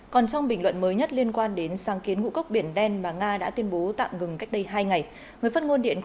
còn trong bình luận mới nhất liên quan đến sáng kiến ngũ cốc biển đen mà nga đã tuyên bố tạm ngừng cách đây hai ngày